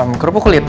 ehm kerupuk kulit